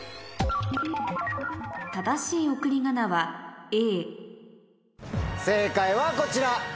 正しい送り仮名は正解はこちら。